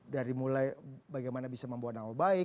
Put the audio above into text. dari mulai bagaimana bisa membuat nama baik